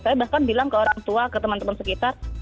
saya bahkan bilang ke orang tua ke teman teman sekitar